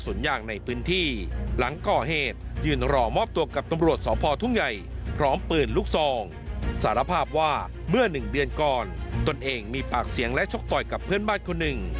สารภาพว่าเมื่อ๑เดือนก่อนตนเองมีปากเสียงและชกต่อยกับเพื่อนบ้านคนหนึ่ง